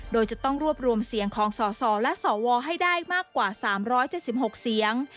โดยจะต้องรวบรวมเสียงของสสและสวให้ได้มากกว่า๓๗๖เสียง